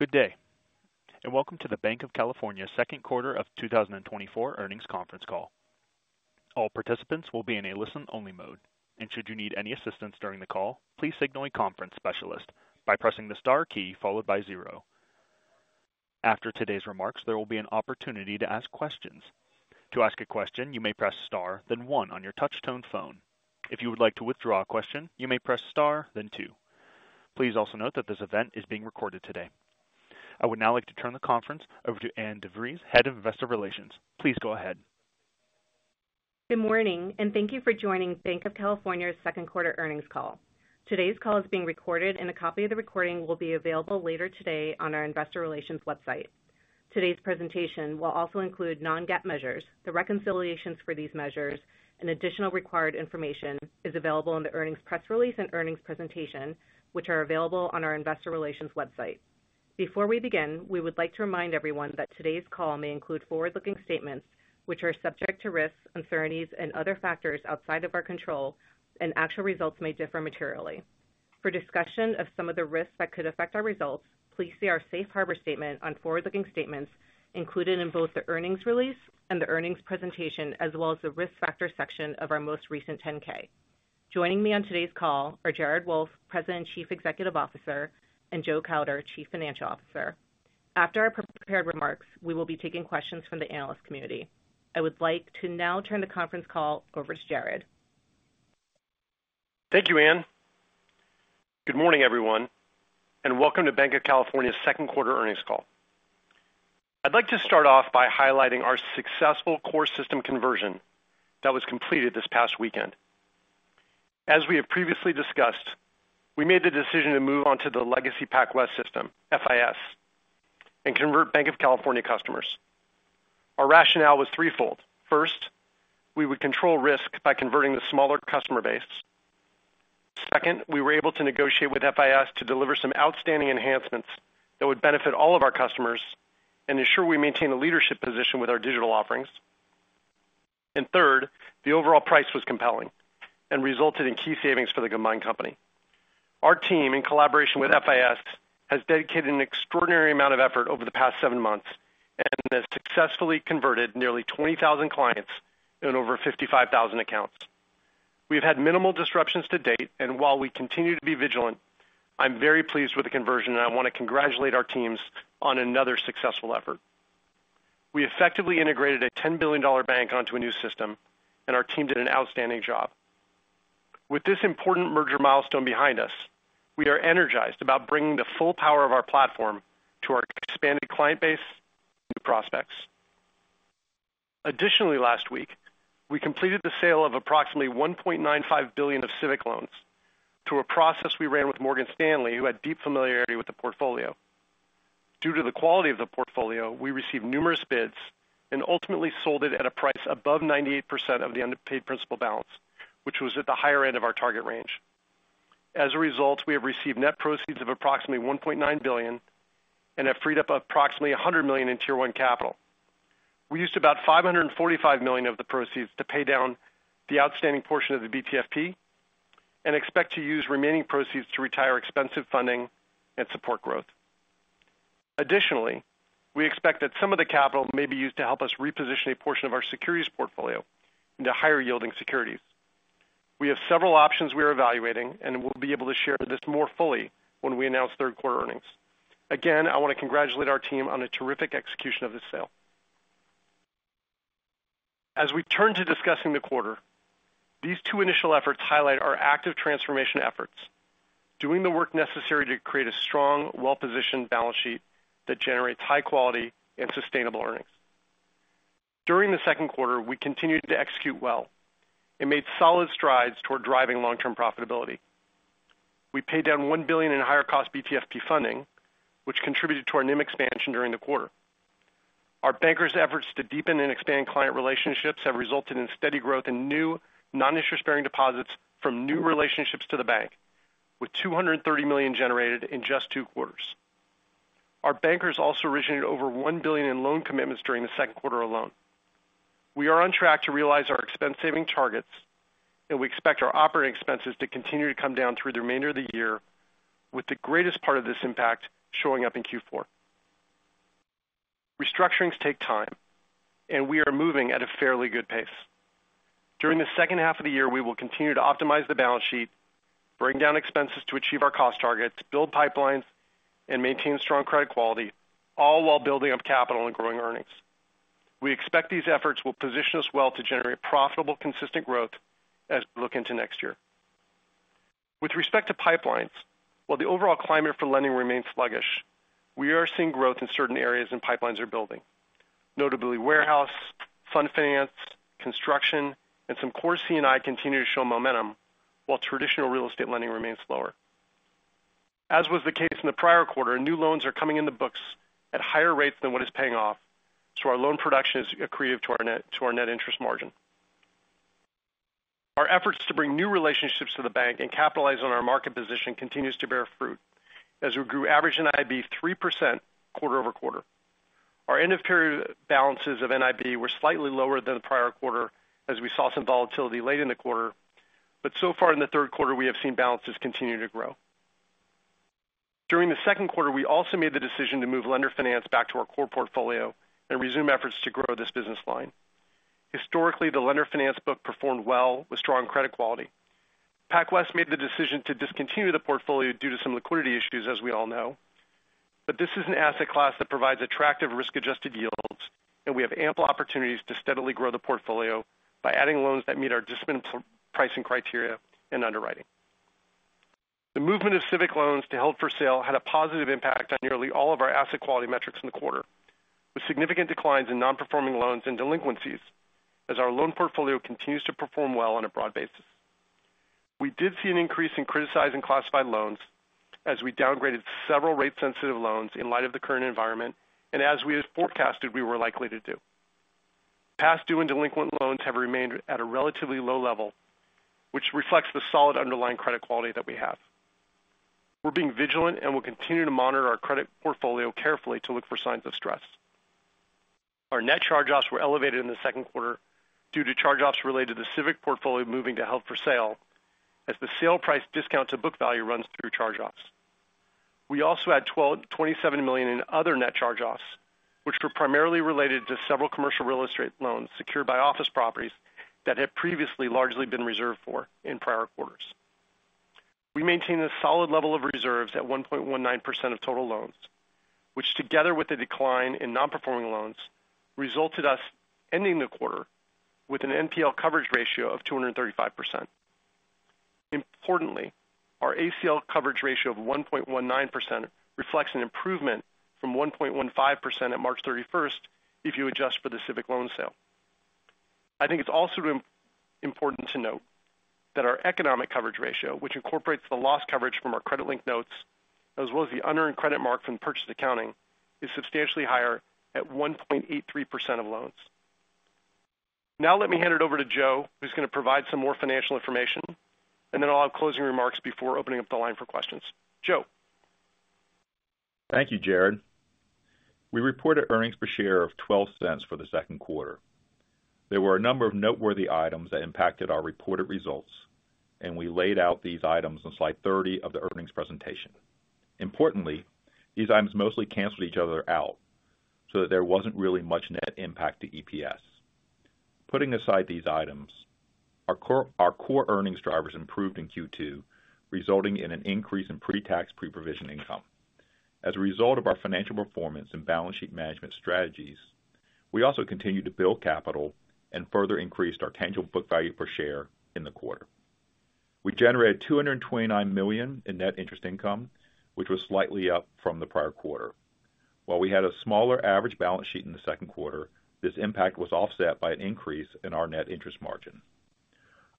Good day, and welcome to the Banc of California second quarter of 2024 earnings conference call. All participants will be in a listen-only mode, and should you need any assistance during the call, please signal a conference specialist by pressing the star key followed by zero. After today's remarks, there will be an opportunity to ask questions. To ask a question, you may press star, then one on your touchtone phone. If you would like to withdraw a question, you may press star, then two. Please also note that this event is being recorded today. I would now like to turn the conference over to Ann DeVries, Head of Investor Relations. Please go ahead. Good morning, and thank you for joining Banc of California's second quarter earnings call. Today's call is being recorded, and a copy of the recording will be available later today on our investor relations website. Today's presentation will also include non-GAAP measures. The reconciliations for these measures and additional required information is available in the earnings press release and earnings presentation, which are available on our investor relations website. Before we begin, we would like to remind everyone that today's call may include forward-looking statements, which are subject to risks, uncertainties, and other factors outside of our control, and actual results may differ materially. For discussion of some of the risks that could affect our results, please see our safe harbor statement on forward-looking statements included in both the earnings release and the earnings presentation, as well as the risk factors section of our most recent 10-K. Joining me on today's call are Jared Wolff, President and Chief Executive Officer, and Joe Kauder, Chief Financial Officer. After our prepared remarks, we will be taking questions from the analyst community. I would like to now turn the conference call over to Jared. Thank you, Anne. Good morning, everyone, and welcome to Banc of California's second quarter earnings call. I'd like to start off by highlighting our successful core system conversion that was completed this past weekend. As we have previously discussed, we made the decision to move on to the legacy PacWest system, FIS, and convert Banc of California customers. Our rationale was threefold. First, we would control risk by converting the smaller customer base. Second, we were able to negotiate with FIS to deliver some outstanding enhancements that would benefit all of our customers and ensure we maintain a leadership position with our digital offerings. And third, the overall price was compelling and resulted in key savings for the combined company. Our team, in collaboration with FIS, has dedicated an extraordinary amount of effort over the past 7 months and has successfully converted nearly 20,000 clients and over 55,000 accounts. We've had minimal disruptions to date, and while we continue to be vigilant, I'm very pleased with the conversion, and I want to congratulate our teams on another successful effort. We effectively integrated a $10 billion bank onto a new system, and our team did an outstanding job. With this important merger milestone behind us, we are energized about bringing the full power of our platform to our expanded client base and new prospects. Additionally, last week, we completed the sale of approximately $1.95 billion of C&I loans through a process we ran with Morgan Stanley, who had deep familiarity with the portfolio. Due to the quality of the portfolio, we received numerous bids and ultimately sold it at a price above 98% of the unpaid principal balance, which was at the higher end of our target range. As a result, we have received net proceeds of approximately $1.9 billion and have freed up approximately $100 million in Tier 1 capital. We used about $545 million of the proceeds to pay down the outstanding portion of the BTFP and expect to use remaining proceeds to retire expensive funding and support growth. Additionally, we expect that some of the capital may be used to help us reposition a portion of our securities portfolio into higher-yielding securities. We have several options we are evaluating, and we'll be able to share this more fully when we announce third-quarter earnings. Again, I want to congratulate our team on a terrific execution of this sale. As we turn to discussing the quarter, these two initial efforts highlight our active transformation efforts, doing the work necessary to create a strong, well-positioned balance sheet that generates high quality and sustainable earnings. During the second quarter, we continued to execute well and made solid strides toward driving long-term profitability. We paid down $1 billion in higher-cost BTFP funding, which contributed to our NIM expansion during the quarter. Our bankers' efforts to deepen and expand client relationships have resulted in steady growth in new non-interest-bearing deposits from new relationships to the bank, with $230 million generated in just two quarters. Our bankers also originated over $1 billion in loan commitments during the second quarter alone. We are on track to realize our expense-saving targets, and we expect our operating expenses to continue to come down through the remainder of the year, with the greatest part of this impact showing up in Q4. Restructurings take time, and we are moving at a fairly good pace. During the second half of the year, we will continue to optimize the balance sheet, bring down expenses to achieve our cost targets, build pipelines, and maintain strong credit quality, all while building up capital and growing earnings. We expect these efforts will position us well to generate profitable, consistent growth as we look into next year. With respect to pipelines, while the overall climate for lending remains sluggish, we are seeing growth in certain areas, and pipelines are building. Notably, warehouse, fund finance, construction, and some core C&I continue to show momentum, while traditional real estate lending remains lower. As was the case in the prior quarter, new loans are coming in the books at higher rates than what is paying off, so our loan production is accretive to our net, to our net interest margin. Our efforts to bring new relationships to the bank and capitalize on our market position continues to bear fruit as we grew average NIB 3% quarter-over-quarter. Our end-of-period balances of NIB were slightly lower than the prior quarter as we saw some volatility late in the quarter. But so far in the third quarter, we have seen balances continue to grow. During the second quarter, we also made the decision to move lender finance back to our core portfolio and resume efforts to grow this business line. Historically, the lender finance book performed well with strong credit quality. PacWest made the decision to discontinue the portfolio due to some liquidity issues, as we all know. But this is an asset class that provides attractive risk-adjusted yields, and we have ample opportunities to steadily grow the portfolio by adding loans that meet our disciplined pricing criteria and underwriting. The movement of Civic loans to held for sale had a positive impact on nearly all of our asset quality metrics in the quarter, with significant declines in non-performing loans and delinquencies, as our loan portfolio continues to perform well on a broad basis. We did see an increase in criticized and classified loans as we downgraded several rate-sensitive loans in light of the current environment, and as we had forecasted, we were likely to do. Past due and delinquent loans have remained at a relatively low level, which reflects the solid underlying credit quality that we have. We're being vigilant, and we'll continue to monitor our credit portfolio carefully to look for signs of stress. Our net charge-offs were elevated in the second quarter due to charge-offs related to the Civic portfolio moving to held for sale, as the sale price discount to book value runs through charge-offs. We also had $27 million in other net charge-offs, which were primarily related to several commercial real estate loans secured by office properties that had previously largely been reserved for in prior quarters. We maintained a solid level of reserves at 1.19% of total loans, which, together with the decline in non-performing loans, resulted us ending the quarter with an NPL coverage ratio of 235%. Importantly, our ACL coverage ratio of 1.19% reflects an improvement from 1.15% at March 31st, if you adjust for the Civic loan sale. I think it's also important to note that our economic coverage ratio, which incorporates the loss coverage from our credit-linked notes, as well as the unearned credit mark from purchase accounting, is substantially higher at 1.83% of loans. Now let me hand it over to Joe, who's going to provide some more financial information, and then I'll have closing remarks before opening up the line for questions. Joe? Thank you, Jared. We reported earnings per share of $0.12 for the second quarter. There were a number of noteworthy items that impacted our reported results, and we laid out these items on slide 30 of the earnings presentation. Importantly, these items mostly canceled each other out, so that there wasn't really much net impact to EPS. Putting aside these items, our core earnings drivers improved in Q2, resulting in an increase in pretax preprovision income. As a result of our financial performance and balance sheet management strategies, we also continued to build capital and further increased our tangible book value per share in the quarter. We generated $229 million in net interest income, which was slightly up from the prior quarter. While we had a smaller average balance sheet in the second quarter, this impact was offset by an increase in our net interest margin.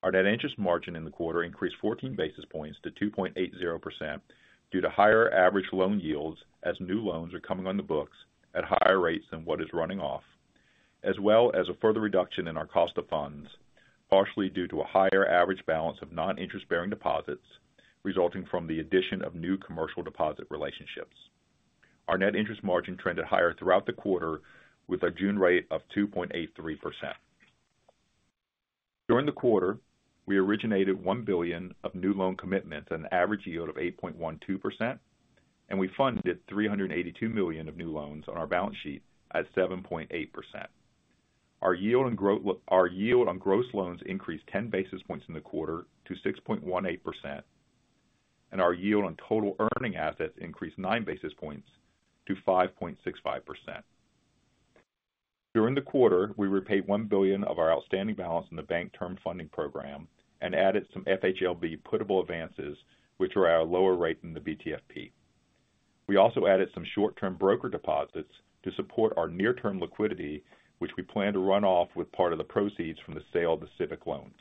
Our net interest margin in the quarter increased 14 basis points to 2.80% due to higher average loan yields, as new loans are coming on the books at higher rates than what is running off, as well as a further reduction in our cost of funds, partially due to a higher average balance of non-interest-bearing deposits, resulting from the addition of new commercial deposit relationships. Our net interest margin trended higher throughout the quarter with a June rate of 2.83%. During the quarter, we originated $1 billion of new loan commitments at an average yield of 8.12%, and we funded $382 million of new loans on our balance sheet at 7.8%. Our yield on gross loans increased 10 basis points in the quarter to 6.18%, and our yield on total earning assets increased 9 basis points to 5.65%. During the quarter, we repaid $1 billion of our outstanding balance in the Bank Term Funding Program and added some FHLB puttable advances, which are at a lower rate than the BTFP. We also added some short-term brokered deposits to support our near-term liquidity, which we plan to run off with part of the proceeds from the sale of the Civic loans.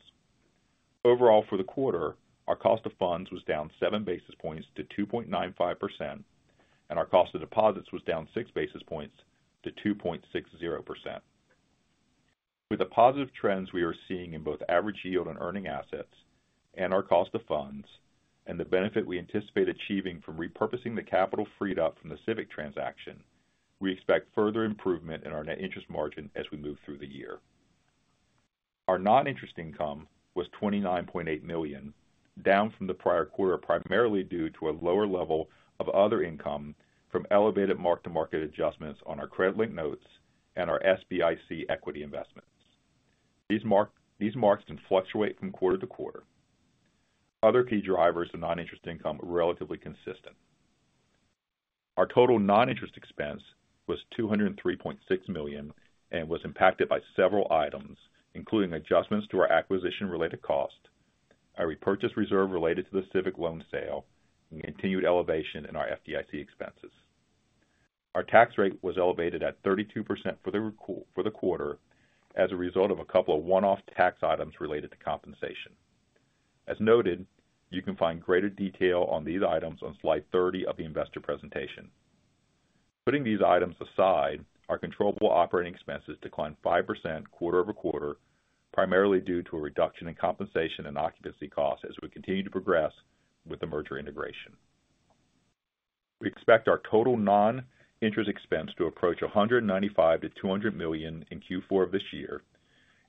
Overall, for the quarter, our cost of funds was down 7 basis points to 2.95%, and our cost of deposits was down 6 basis points to 2.60%. With the positive trends we are seeing in both average yield on earning assets and our cost of funds, and the benefit we anticipate achieving from repurposing the capital freed up from the Civic transaction, we expect further improvement in our net interest margin as we move through the year. Our non-interest income was $29.8 million, down from the prior quarter, primarily due to a lower level of other income from elevated mark-to-market adjustments on our credit-linked notes and our SBIC equity investments. These marks can fluctuate from quarter to quarter. Other key drivers of non-interest income are relatively consistent. Our total non-interest expense was $203.6 million and was impacted by several items, including adjustments to our acquisition-related cost, our repurchase reserve related to the Civic loan sale, and continued elevation in our FDIC expenses. Our tax rate was elevated at 32% for the quarter as a result of a couple of one-off tax items related to compensation. As noted, you can find greater detail on these items on slide 30 of the investor presentation. Putting these items aside, our controllable operating expenses declined 5% quarter-over-quarter primarily due to a reduction in compensation and occupancy costs as we continue to progress with the merger integration. We expect our total non-interest expense to approach $195 million-$200 million in Q4 of this year,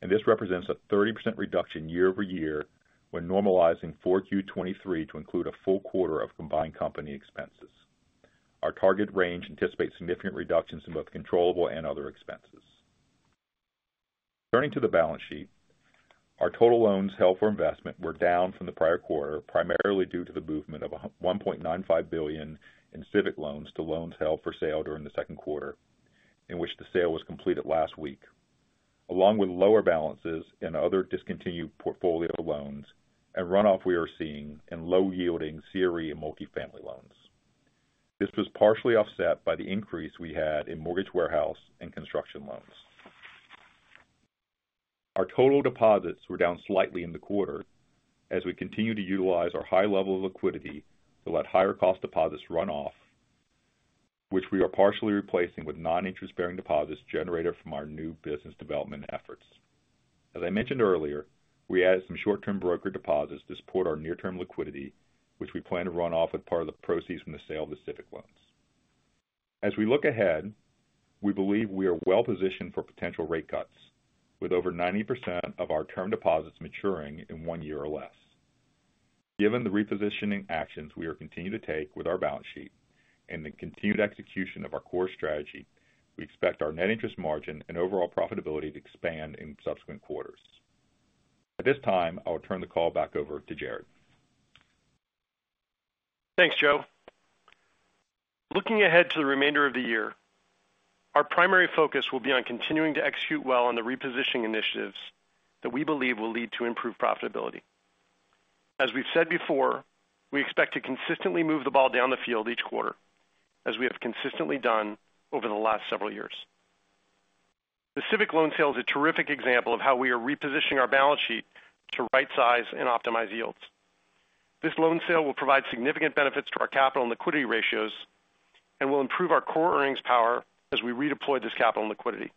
and this represents a 30% reduction year-over-year when normalizing 4Q 2023 to include a full quarter of combined company expenses. Our target range anticipates significant reductions in both controllable and other expenses. Turning to the balance sheet, our total loans held for investment were down from the prior quarter, primarily due to the movement of $1.95 billion in Civic loans to loans held for sale during the second quarter, in which the sale was completed last week, along with lower balances and other discontinued portfolio loans and runoff we are seeing in low-yielding CRE and multifamily loans. This was partially offset by the increase we had in mortgage warehouse and construction loans. Our total deposits were down slightly in the quarter as we continue to utilize our high level of liquidity to let higher cost deposits run off, which we are partially replacing with non-interest-bearing deposits generated from our new business development efforts. As I mentioned earlier, we added some short-term broker deposits to support our near-term liquidity, which we plan to run off as part of the proceeds from the sale of the Civic loans. As we look ahead, we believe we are well positioned for potential rate cuts, with over 90% of our term deposits maturing in one year or less. Given the repositioning actions we are continuing to take with our balance sheet and the continued execution of our core strategy, we expect our net interest margin and overall profitability to expand in subsequent quarters. At this time, I will turn the call back over to Jared. Thanks, Joe. Looking ahead to the remainder of the year, our primary focus will be on continuing to execute well on the repositioning initiatives that we believe will lead to improved profitability. As we've said before, we expect to consistently move the ball down the field each quarter, as we have consistently done over the last several years. The Civic loan sale is a terrific example of how we are repositioning our balance sheet to rightsize and optimize yields. This loan sale will provide significant benefits to our capital and liquidity ratios and will improve our core earnings power as we redeploy this capital and liquidity.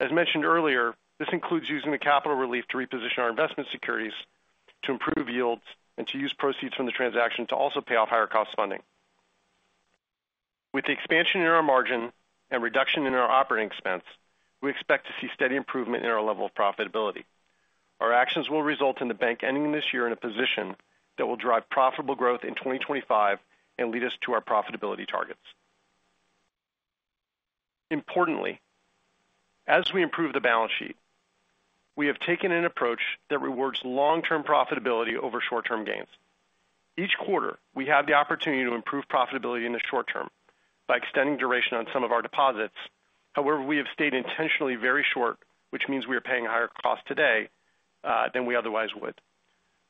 As mentioned earlier, this includes using the capital relief to reposition our investment securities, to improve yields, and to use proceeds from the transaction to also pay off higher cost funding. With the expansion in our margin and reduction in our operating expense, we expect to see steady improvement in our level of profitability. Our actions will result in the bank ending this year in a position that will drive profitable growth in 2025 and lead us to our profitability targets. Importantly, as we improve the balance sheet, we have taken an approach that rewards long-term profitability over short-term gains. Each quarter, we have the opportunity to improve profitability in the short term by extending duration on some of our deposits. However, we have stayed intentionally very short, which means we are paying a higher cost today than we otherwise would.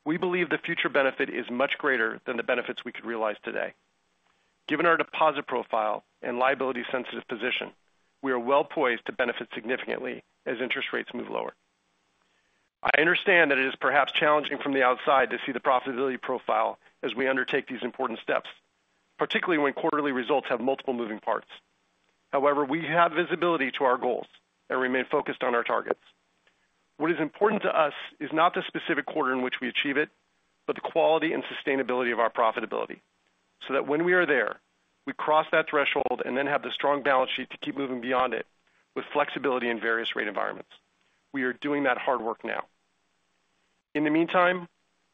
We believe the future benefit is much greater than the benefits we could realize today. Given our deposit profile and liability-sensitive position, we are well poised to benefit significantly as interest rates move lower. I understand that it is perhaps challenging from the outside to see the profitability profile as we undertake these important steps, particularly when quarterly results have multiple moving parts. However, we have visibility to our goals and remain focused on our targets. What is important to us is not the specific quarter in which we achieve it, but the quality and sustainability of our profitability, so that when we are there, we cross that threshold and then have the strong balance sheet to keep moving beyond it with flexibility in various rate environments. We are doing that hard work now. In the meantime,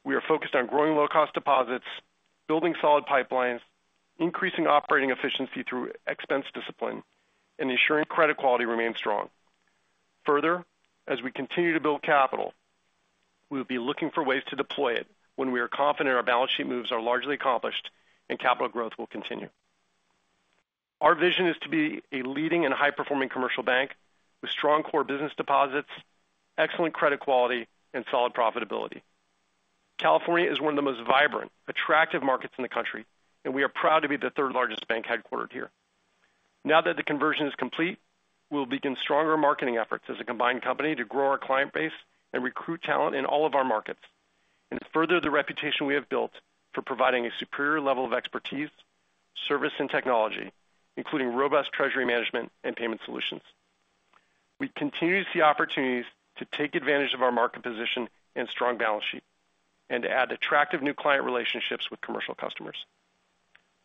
we are focused on growing low-cost deposits, building solid pipelines, increasing operating efficiency through expense discipline, and ensuring credit quality remains strong. Further, as we continue to build capital, we will be looking for ways to deploy it when we are confident our balance sheet moves are largely accomplished and capital growth will continue. Our vision is to be a leading and high-performing commercial bank with strong core business deposits, excellent credit quality, and solid profitability. California is one of the most vibrant, attractive markets in the country, and we are proud to be the third-largest bank headquartered here. Now that the conversion is complete, we'll begin stronger marketing efforts as a combined company to grow our client base and recruit talent in all of our markets and further the reputation we have built for providing a superior level of expertise, service, and technology, including robust treasury management and payment solutions. We continue to see opportunities to take advantage of our market position and strong balance sheet and to add attractive new client relationships with commercial customers.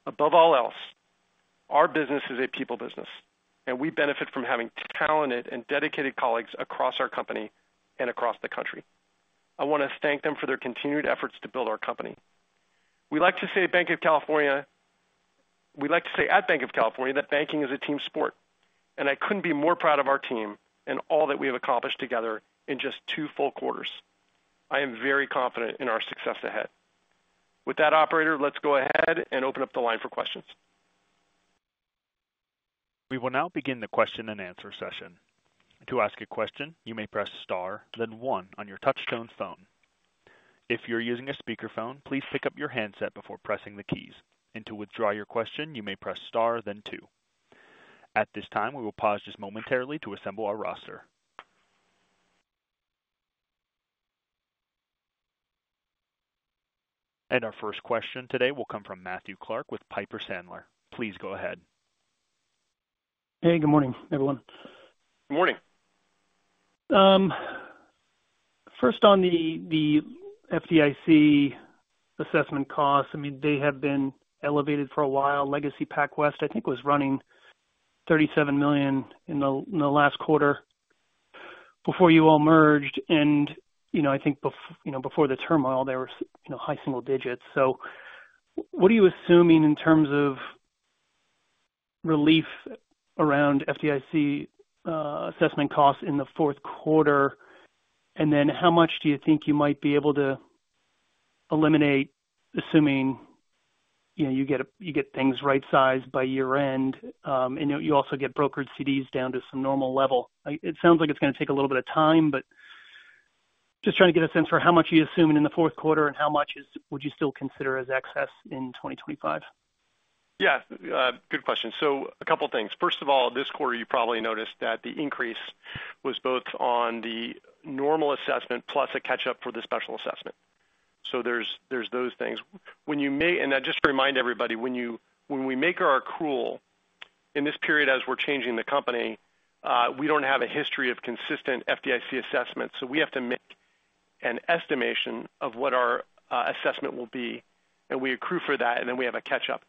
Above all else, our business is a people business, and we benefit from having talented and dedicated colleagues across our company and across the country. I want to thank them for their continued efforts to build our company. We like to say at Banc of California, that banking is a team sport, and I couldn't be more proud of our team and all that we have accomplished together in just two full quarters. I am very confident in our success ahead. With that, operator, let's go ahead and open up the line for questions. We will now begin the question-and-answer session. To ask a question, you may press Star, then one on your touchtone phone. If you're using a speakerphone, please pick up your handset before pressing the keys, and to withdraw your question, you may press Star, then two. At this time, we will pause just momentarily to assemble our roster. ...And our first question today will come from Matthew Clark with Piper Sandler. Please go ahead. Hey, good morning, everyone. Good morning. First on the FDIC assessment costs. I mean, they have been elevated for a while. Legacy PacWest, I think, was running $37 million in the last quarter before you all merged. And, you know, I think before the turmoil, you know, they were high single digits. So what are you assuming in terms of relief around FDIC assessment costs in the fourth quarter? And then how much do you think you might be able to eliminate, assuming, you know, you get things right-sized by year-end, and you also get brokered CDs down to some normal level? It sounds like it's gonna take a little bit of time, but just trying to get a sense for how much are you assuming in the fourth quarter and how much would you still consider as excess in 2025? Yeah, good question. So a couple things. First of all, this quarter, you probably noticed that the increase was both on the normal assessment plus a catch-up for the special assessment. So there's those things. And just to remind everybody, when we make our accrual in this period as we're changing the company, we don't have a history of consistent FDIC assessments, so we have to make an estimation of what our assessment will be, and we accrue for that, and then we have a catch-up.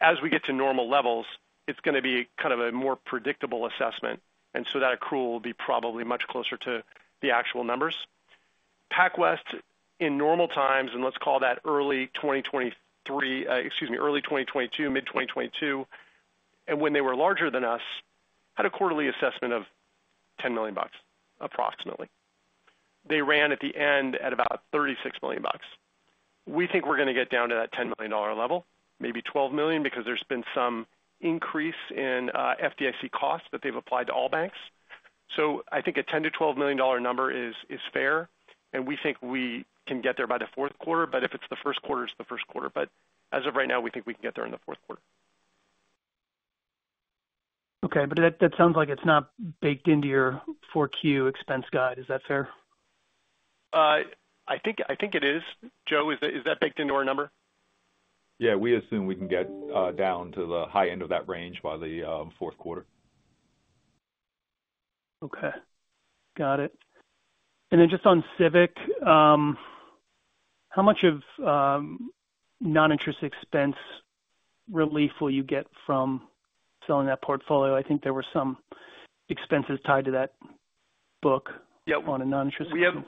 As we get to normal levels, it's gonna be kind of a more predictable assessment, and so that accrual will be probably much closer to the actual numbers. PacWest, in normal times, and let's call that early 2023, excuse me, early 2022, mid 2022, and when they were larger than us, had a quarterly assessment of $10 million bucks, approximately. They ran at the end at about $36 million bucks. We think we're gonna get down to that $10 million dollar level, maybe $12 million, because there's been some increase in, FDIC costs that they've applied to all banks. So I think a $10-$12 million dollar number is, is fair, and we think we can get there by the fourth quarter, but if it's the first quarter, it's the first quarter. But as of right now, we think we can get there in the fourth quarter. Okay, but that sounds like it's not baked into your 4Q expense guide. Is that fair? I think, I think it is. Joe, is that, is that baked into our number? Yeah, we assume we can get down to the high end of that range by the fourth quarter. Okay, got it. And then just on Civic, how much of non-interest expense relief will you get from selling that portfolio? I think there were some expenses tied to that book- Yep. on a non-interest. We have,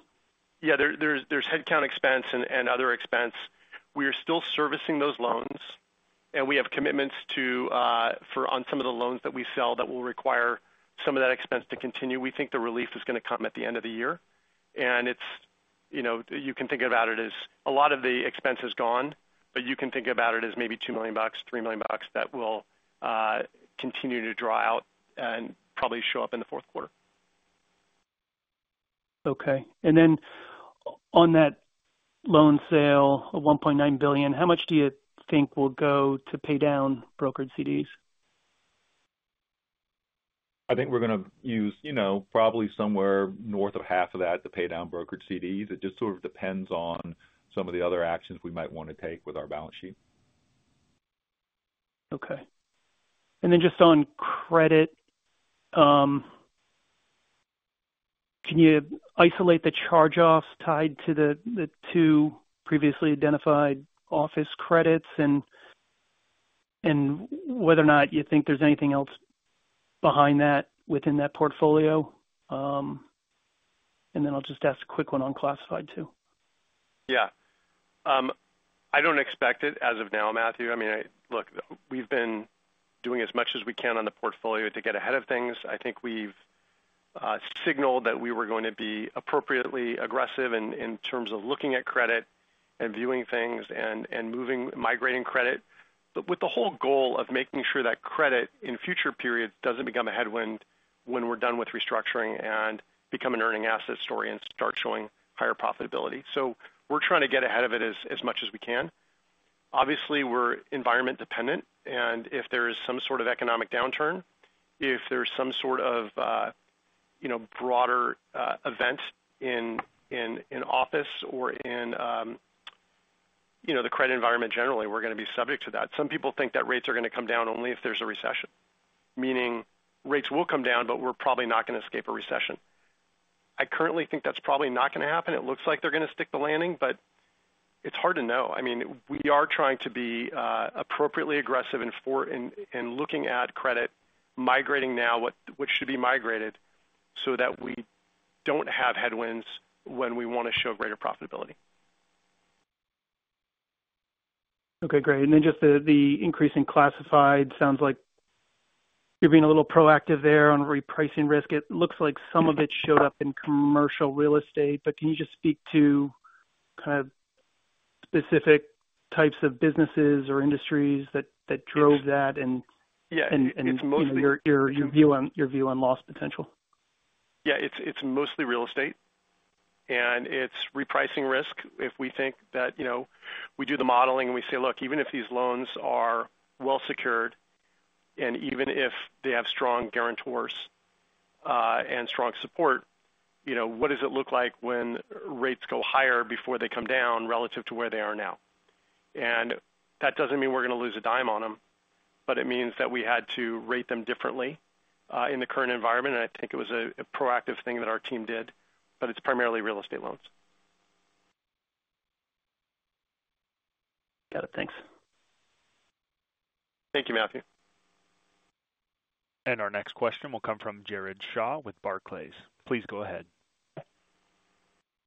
there's headcount expense and other expense. We are still servicing those loans, and we have commitments to fund some of the loans that we sell that will require some of that expense to continue. We think the relief is gonna come at the end of the year, and it's, you know, you can think about it as a lot of the expense is gone, but you can think about it as maybe $2 million, $3 million that will continue to draw out and probably show up in the fourth quarter. Okay. And then on that loan sale of $1.9 billion, how much do you think will go to pay down brokered CDs? I think we're gonna use, you know, probably somewhere north of half of that to pay down brokered CDs. It just sort of depends on some of the other actions we might want to take with our balance sheet. Okay. And then just on credit, can you isolate the charge-offs tied to the two previously identified office credits and whether or not you think there's anything else behind that within that portfolio? And then I'll just ask a quick one on classified, too. Yeah. I don't expect it as of now, Matthew. I mean, look, we've been doing as much as we can on the portfolio to get ahead of things. I think we've signaled that we were going to be appropriately aggressive in terms of looking at credit and viewing things and moving, migrating credit. But with the whole goal of making sure that credit in future periods doesn't become a headwind when we're done with restructuring and become an earning asset story and start showing higher profitability. So we're trying to get ahead of it as much as we can. Obviously, we're environment dependent, and if there is some sort of economic downturn, if there's some sort of you know, broader event in office or in you know, the credit environment, generally, we're gonna be subject to that. Some people think that rates are gonna come down only if there's a recession, meaning rates will come down, but we're probably not gonna escape a recession. I currently think that's probably not gonna happen. It looks like they're gonna stick the landing, but it's hard to know. I mean, we are trying to be appropriately aggressive in looking at credit migrating now, what should be migrated so that we don't have headwinds when we want to show greater profitability. Okay, great. And then just the increase in classified sounds like you're being a little proactive there on repricing risk. It looks like some of it showed up in commercial real estate, but can you just speak to kind of specific types of businesses or industries that drove that and- Yeah. And your view on loss potential? Yeah, it's, it's mostly real estate, and it's repricing risk. If we think that, you know, we do the modeling and we say, "Look, even if these loans are well secured, and even if they have strong guarantors, and strong support, you know, what does it look like when rates go higher before they come down relative to where they are now? And that doesn't mean we're going to lose a dime on them, but it means that we had to rate them differently in the current environment. And I think it was a proactive thing that our team did, but it's primarily real estate loans. Got it. Thanks. Thank you, Matthew. Our next question will come from Jared Shaw with Barclays. Please go ahead.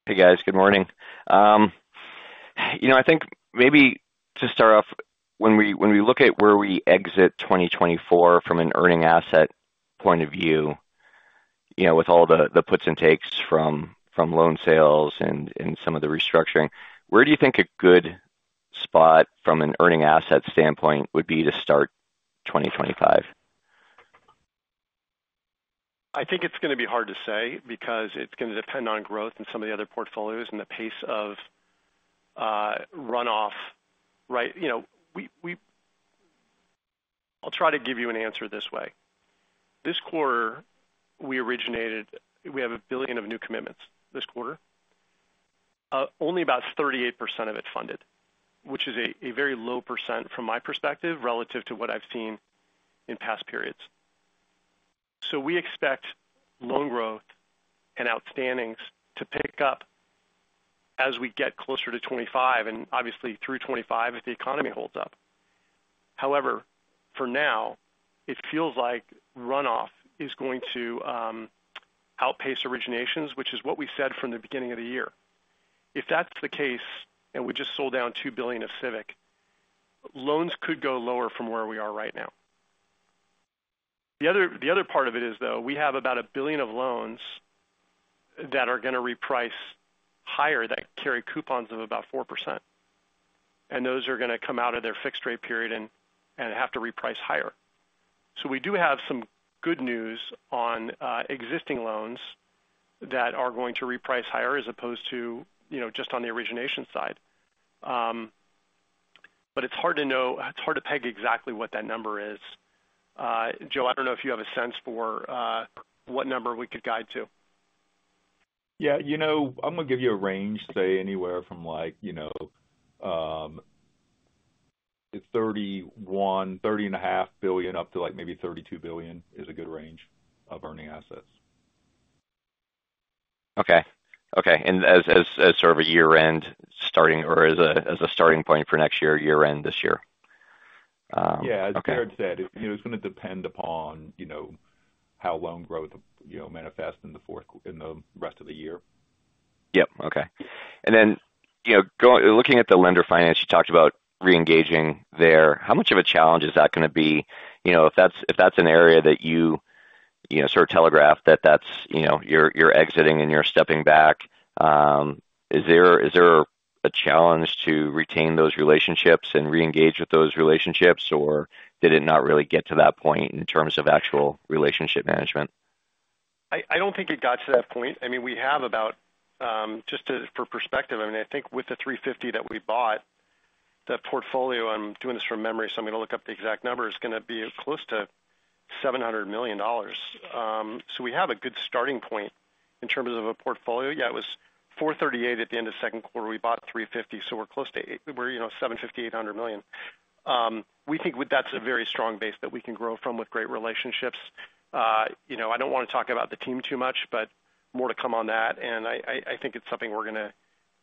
Hey, guys. Good morning. You know, I think maybe to start off, when we look at where we exit 2024 from an earning asset point of view, you know, with all the puts and takes from loan sales and some of the restructuring, where do you think a good spot from an earning asset standpoint would be to start 2025? I think it's going to be hard to say because it's going to depend on growth in some of the other portfolios and the pace of runoff, right? You know, I'll try to give you an answer this way. This quarter, we have $1 billion of new commitments this quarter. Only about 38% of it funded, which is a very low percent from my perspective, relative to what I've seen in past periods. So we expect loan growth and outstandings to pick up as we get closer to 2025, and obviously through 2025, if the economy holds up. However, for now, it feels like runoff is going to outpace originations, which is what we said from the beginning of the year. If that's the case, and we just sold down $2 billion of Civic loans, loans could go lower from where we are right now. The other part of it is, though, we have about $1 billion of loans that are going to reprice higher, that carry coupons of about 4%, and those are going to come out of their fixed rate period and have to reprice higher. So we do have some good news on existing loans that are going to reprice higher as opposed to, you know, just on the origination side. But it's hard to know. It's hard to peg exactly what that number is. Joe, I don't know if you have a sense for what number we could guide to. Yeah, you know, I'm going to give you a range, say, anywhere from, like, you know, $31, $30.5 billion, up to, like, maybe $32 billion is a good range of earning assets. Okay. Okay. And as sort of a year-end starting or as a starting point for next year, year-end this year? Okay. Yeah, as Jared said, it, you know, it's going to depend upon, you know, how loan growth, you know, manifests in the fourth-- in the rest of the year. Yep. Okay. And then, you know, looking at the lender finance, you talked about reengaging there. How much of a challenge is that going to be? You know, if that's, if that's an area that you, you know, sort of telegraphed that that's, you know, you're, you're exiting and you're stepping back, is there, is there a challenge to retain those relationships and reengage with those relationships, or did it not really get to that point in terms of actual relationship management? I don't think it got to that point. I mean, we have about, just to, for perspective, I mean, I think with the $350 million that we bought, the portfolio, I'm doing this from memory, so I'm going to look up the exact number, is going to be close to $700 million. So we have a good starting point in terms of a portfolio. Yeah, it was $438 million at the end of second quarter. We bought $350 million, so we're close to, you know, $750-$800 million. We think that's a very strong base that we can grow from with great relationships. You know, I don't want to talk about the team too much, but more to come on that. And I think it's something we're going to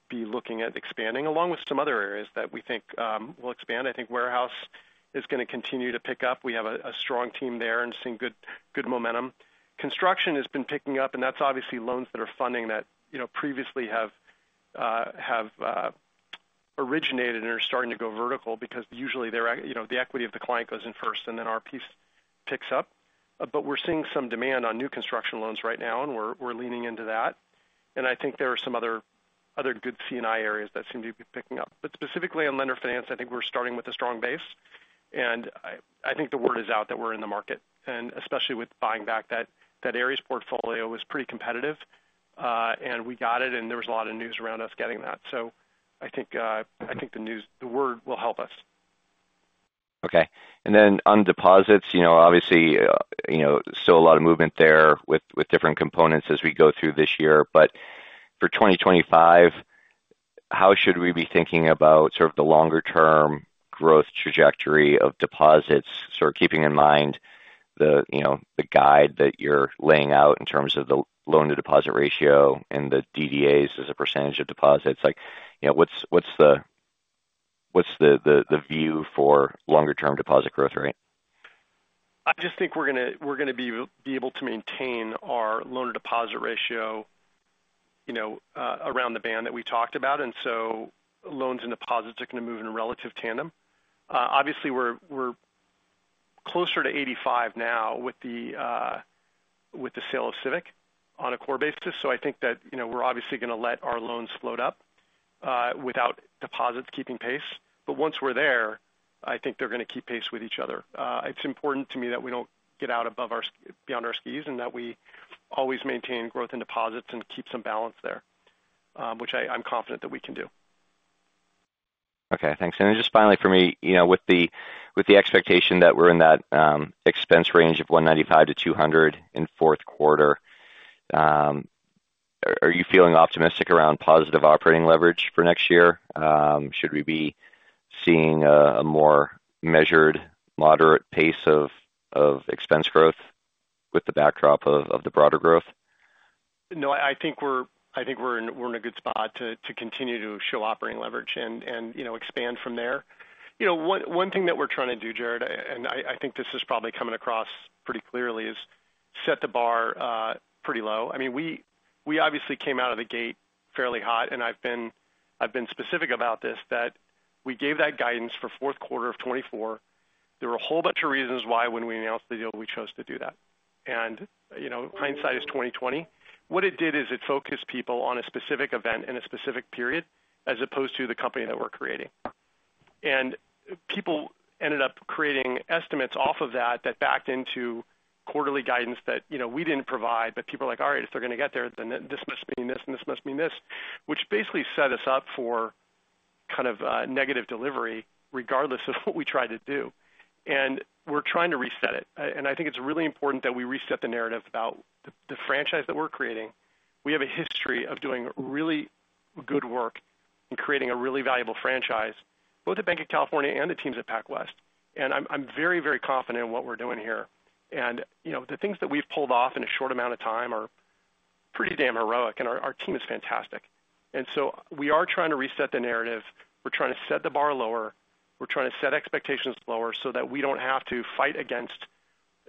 be looking at expanding along with some other areas that we think will expand. I think warehouse is going to continue to pick up. We have a strong team there and seeing good momentum. Construction has been picking up, and that's obviously loans that are funding that, you know, previously have originated and are starting to go vertical because usually they're you know, the equity of the client goes in first, and then our piece picks up. But we're seeing some demand on new construction loans right now, and we're leaning into that. And I think there are some other good C&I areas that seem to be picking up. But specifically on lender finance, I think we're starting with a strong base, and I think the word is out that we're in the market, and especially with buying back that Ares portfolio was pretty competitive, and we got it, and there was a lot of news around us getting that. So I think the news, the word will help us. Okay. And then on deposits, you know, obviously, you know, still a lot of movement there with, with different components as we go through this year. But for 2025, how should we be thinking about sort of the longer-term growth trajectory of deposits, sort of keeping in mind the, you know, the guide that you're laying out in terms of the loan-to-deposit ratio and the DDAs as a percentage of deposits? Like, you know, what's the view for longer-term deposit growth rate? I just think we're going to be able to maintain our loan-to-deposit ratio, you know, around the band that we talked about, and so loans and deposits are going to move in relative tandem. Obviously, we're closer to 85 now with the sale of Civic on a core basis. So I think that, you know, we're obviously going to let our loans float up without deposits keeping pace. But once we're there, I think they're going to keep pace with each other. It's important to me that we don't get out above our skis, beyond our skis, and that we always maintain growth in deposits and keep some balance there, which I'm confident that we can do.... Okay, thanks. And then just finally for me, you know, with the expectation that we're in that expense range of $195-$200 in fourth quarter, are you feeling optimistic around positive operating leverage for next year? Should we be seeing a more measured, moderate pace of expense growth with the backdrop of the broader growth? No, I think we're in a good spot to continue to show operating leverage and, you know, expand from there. You know, one thing that we're trying to do, Jared, and I think this is probably coming across pretty clearly, is set the bar pretty low. I mean, we obviously came out of the gate fairly hot, and I've been specific about this, that we gave that guidance for fourth quarter of 2024. There were a whole bunch of reasons why, when we announced the deal, we chose to do that. And, you know, hindsight is 20/20. What it did is it focused people on a specific event in a specific period, as opposed to the company that we're creating. And people ended up creating estimates off of that, that backed into quarterly guidance that, you know, we didn't provide, but people are like, all right, if they're going to get there, then this must mean this, and this must mean this, which basically set us up for kind of, negative delivery, regardless of what we tried to do. And we're trying to reset it. And I think it's really important that we reset the narrative about the, the franchise that we're creating. We have a history of doing really good work in creating a really valuable franchise, both at Banc of California and the teams at PacWest. And I'm, I'm very, very confident in what we're doing here. And, you know, the things that we've pulled off in a short amount of time are pretty damn heroic, and our, our team is fantastic. We are trying to reset the narrative. We're trying to set the bar lower. We're trying to set expectations lower so that we don't have to fight against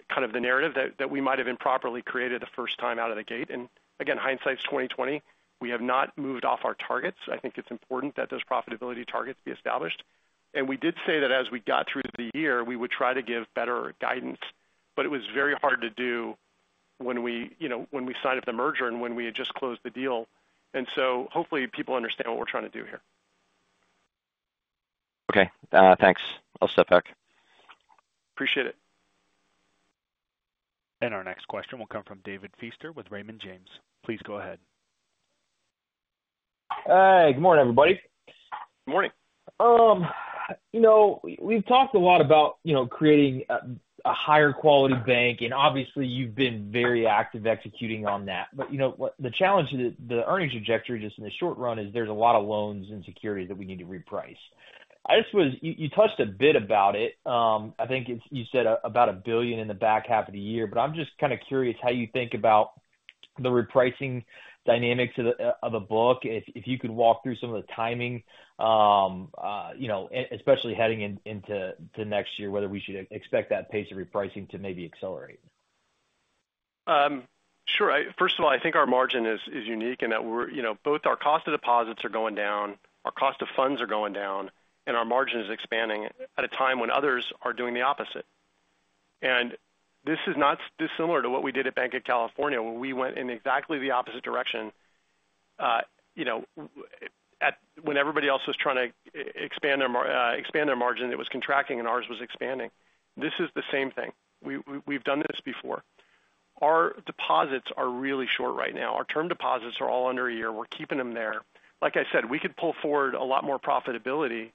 kind of the narrative that we might have improperly created the first time out of the gate. Again, hindsight is 20/20. We have not moved off our targets. I think it's important that those profitability targets be established. We did say that as we got through the year, we would try to give better guidance, but it was very hard to do when we, you know, when we signed up the merger and when we had just closed the deal. Hopefully people understand what we're trying to do here. Okay, thanks. I'll step back. Appreciate it. Our next question will come from David Feaster with Raymond James. Please go ahead. Hi, good morning, everybody. Good morning. You know, we've talked a lot about, you know, creating a higher quality bank, and obviously you've been very active executing on that. But, you know, what - the challenge is the earnings trajectory, just in the short run, is there's a lot of loans and securities that we need to reprice. I just was - you, you touched a bit about it. I think it's, you said about $1 billion in the back half of the year, but I'm just kind of curious how you think about the repricing dynamics of the, of the book. If, if you could walk through some of the timing, you know, especially heading into the next year, whether we should expect that pace of repricing to maybe accelerate. Sure. First of all, I think our margin is unique in that we're—you know—both our cost of deposits are going down, our cost of funds are going down, and our margin is expanding at a time when others are doing the opposite. This is not dissimilar to what we did at Banc of California, where we went in exactly the opposite direction, you know, when everybody else was trying to expand their margin, it was contracting and ours was expanding. This is the same thing. We, we've done this before. Our deposits are really short right now. Our term deposits are all under a year. We're keeping them there. Like I said, we could pull forward a lot more profitability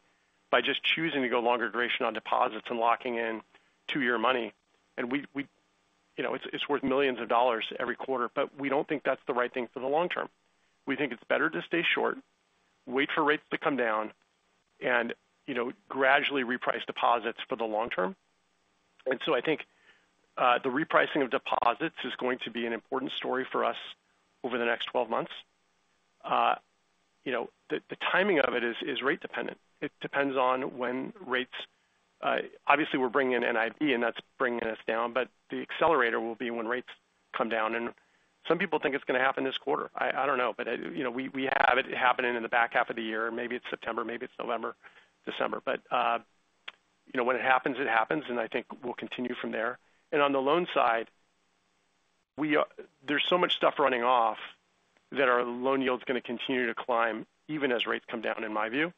by just choosing to go longer duration on deposits and locking in two-year money. And we, you know, it's worth millions of dollars every quarter, but we don't think that's the right thing for the long term. We think it's better to stay short, wait for rates to come down, and, you know, gradually reprice deposits for the long term. And so I think, the repricing of deposits is going to be an important story for us over the next 12 months. You know, the timing of it is rate dependent. It depends on when rates... Obviously, we're bringing in NIB, and that's bringing us down, but the accelerator will be when rates come down, and some people think it's going to happen this quarter. I don't know, but, you know, we have it happening in the back half of the year. Maybe it's September, maybe it's November, December. But, you know, when it happens, it happens, and I think we'll continue from there. On the loan side, there's so much stuff running off that our loan yield is going to continue to climb, even as rates come down, in my view,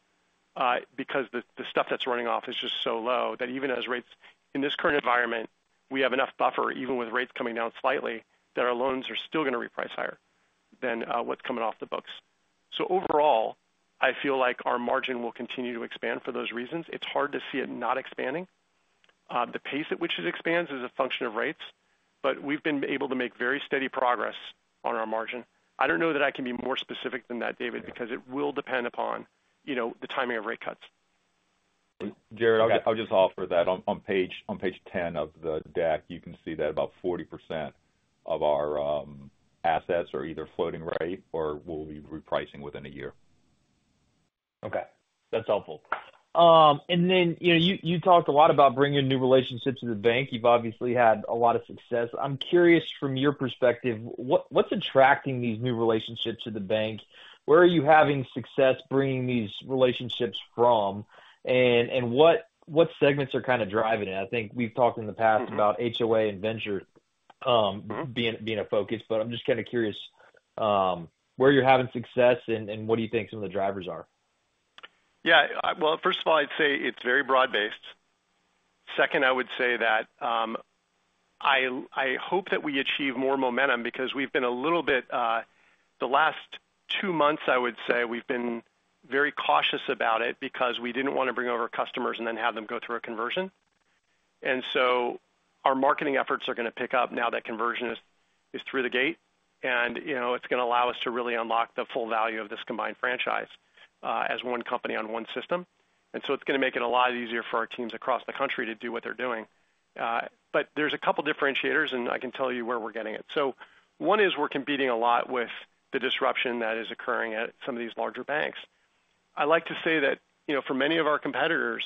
because the stuff that's running off is just so low that in this current environment, we have enough buffer, even with rates coming down slightly, that our loans are still going to reprice higher than what's coming off the books. So overall, I feel like our margin will continue to expand for those reasons. It's hard to see it not expanding. The pace at which it expands is a function of rates, but we've been able to make very steady progress on our margin. I don't know that I can be more specific than that, David, because it will depend upon, you know, the timing of rate cuts. Jared, I'll just offer that on page 10 of the deck, you can see that about 40% of our assets are either floating rate or will be repricing within a year. Okay, that's helpful. And then, you know, you talked a lot about bringing new relationships to the bank. You've obviously had a lot of success. I'm curious, from your perspective, what's attracting these new relationships to the bank? Where are you having success bringing these relationships from? And what segments are kind of driving it? I think we've talked in the past about HOA and venture being a focus, but I'm just kind of curious where you're having success and what do you think some of the drivers are? Yeah, well, first of all, I'd say it's very broad-based. Second, I would say that I hope that we achieve more momentum because we've been a little bit the last two months, I would say, we've been very cautious about it because we didn't want to bring over customers and then have them go through a conversion. And so our marketing efforts are gonna pick up now that conversion is through the gate, and, you know, it's gonna allow us to really unlock the full value of this combined franchise as one company on one system. And so it's gonna make it a lot easier for our teams across the country to do what they're doing. But there's a couple differentiators, and I can tell you where we're getting it. So one is we're competing a lot with the disruption that is occurring at some of these larger banks. I like to say that, you know, for many of our competitors,